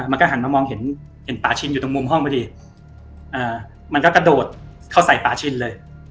มันก็หันมามองเห็นเห็นป่าชินอยู่ตรงมุมห้องพอดีมันก็กระโดดเข้าใส่ป่าชินเลย